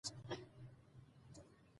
سیاسي مخالفت باید قانوني چوکاټ ولري